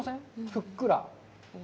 ふっくら。